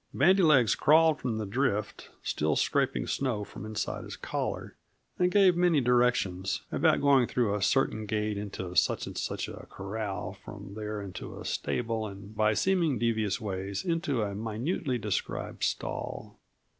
Bandy legs crawled from the drift, still scraping snow from inside his collar, and gave many directions about going through a certain gate into such and such a corral; from there into a stable; and by seeming devious ways into a minutely described stall.